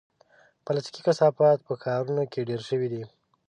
پلاستيکي کثافات په ښارونو کې ډېر شوي دي.